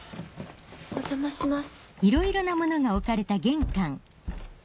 お邪魔します。